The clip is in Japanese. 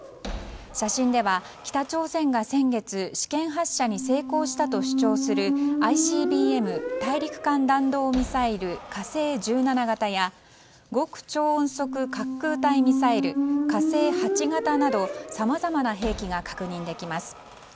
写真では北朝鮮が先月試験発射に成功したと主張するＩＣＢＭ・大陸間弾道ミサイル「火星１７型」や極超音速滑空体ミサイル「火星８型」などさまざまな兵器が確認できます。